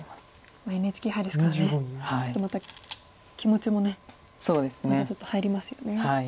ＮＨＫ杯ですからねちょっとまた気持ちもまたちょっと入りますよね。